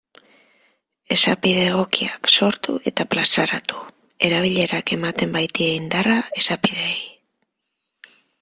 Esapide egokiak sortu eta plazaratu, erabilerak ematen baitie indarra esapideei.